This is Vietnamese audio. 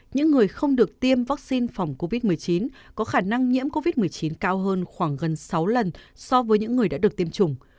những người không được tiêm vaccine phòng covid một mươi chín có khả năng nhiễm covid một mươi chín cao hơn khoảng gần sáu lần so với những người đã được tiêm chủng